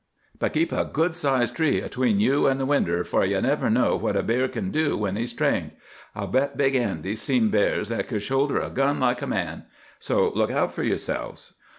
But keep a good sized tree atween you an' the winder, for ye never know what a bear kin do when he's trained. I'll bet Big Andy's seen bears that could shoulder a gun like a man! So look out for yourselves.